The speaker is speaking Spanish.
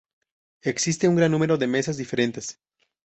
Existe un gran número de mesas diferentes.